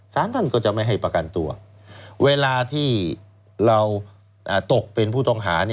สารท่านก็จะไม่ให้ประกันตัวเวลาที่เราตกเป็นผู้ต้องหา